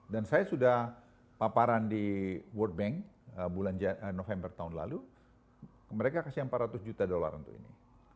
dan saya sudah paparan di world bank bulan november tahun lalu mereka kasih empat ratus juta dolar untuk ini